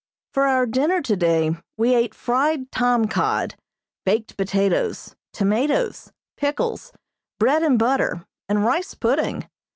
For our dinner today we ate fried tom cod, baked potatoes, tomatoes, pickles, bread and butter, and rice pudding.